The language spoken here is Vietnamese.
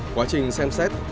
quá trình xem xét